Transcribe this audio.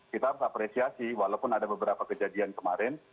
kita harus apresiasi walaupun ada beberapa kejadian kemarin